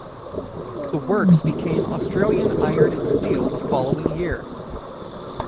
The works became Australian Iron and Steel the following year.